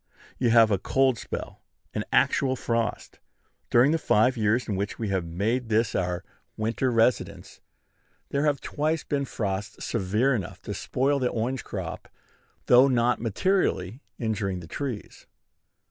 You have a cold spell, an actual frost. During the five years in which we have made this our winter residence, there have twice been frosts severe enough to spoil the orange crop, though not materially injuring the trees.